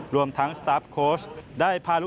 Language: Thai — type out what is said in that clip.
รวมทั้งสตาร์ฟโค้ช